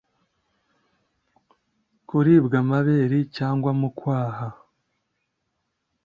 Kuribwa amabere cyangwa mu kwaha